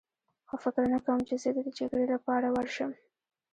خو فکر نه کوم چې زه دې د جګړې لپاره ورشم.